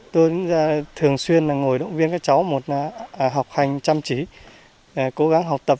tôi thường xuyên là ngồi động viên các cháu một là học hành chăm chỉ cố gắng học tập